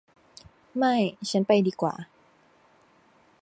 ไม่ฉันจะไปดีกว่า